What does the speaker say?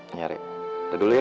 iya rek udah dulu ya